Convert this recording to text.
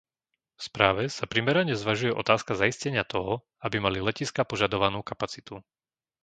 V správe sa primerane zvažuje otázka zaistenia toho, aby mali letiská požadovanú kapacitu.